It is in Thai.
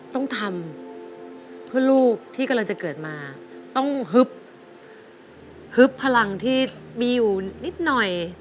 ต้องทำเพื่อลูกที่กำลังจะเกิดมาต้องฮึบฮึบพลังที่มีอยู่นิดหน่อย